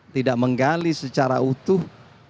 tidak menggali secara utuh